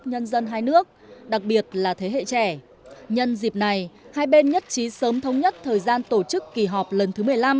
nhân dân hai nước đặc biệt là thế hệ trẻ nhân dịp này hai bên nhất trí sớm thống nhất thời gian tổ chức kỳ họp lần thứ một mươi năm